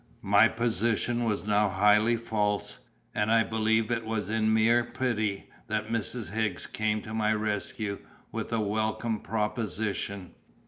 My position was now highly false; and I believe it was in mere pity that Mrs. Higgs came to my rescue with a welcome proposition.